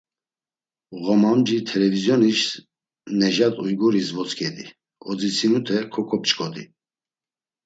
Ğomamci t̆elevizyonis Nejat Uyguris votzk̆edi, odzitsinute kok̆op̆ç̆k̆odi.